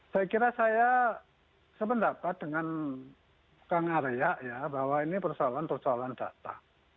saya kira saya sependapat dengan kang arya ya bahwa ini persoalan persoalan data